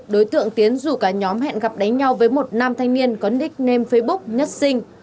đối tượng tiến rủ cả nhóm hẹn gặp đánh nhau với một nam thanh niên có nickname facebook nhất sinh